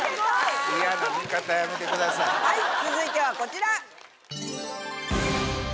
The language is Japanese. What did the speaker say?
はい続いてはこちら！